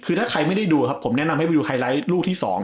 คือถ้าใครไม่ได้ดูครับผมแนะนำให้ไปดูไฮไลท์ลูกที่๒